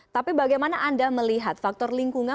tapi bagaimana anda melihat faktor lingkungan